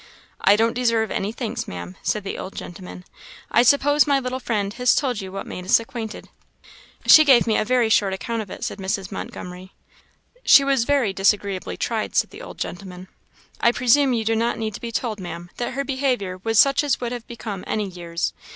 "I don't deserve any thanks, Maam," said the old gentleman; "I suppose my little friend has told you what made us acquainted?" "She gave me a very short account of it," said Mrs. Montgomery. "She was very disagreeably tried," said the old gentleman. "I presume you do not need to be told, Maam, that her behaviour was such as would have become any years.